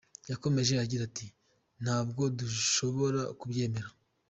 Yakomeje agira ati, “Ntabwo dushobora kubyemera.